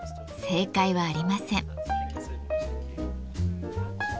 正解はありません。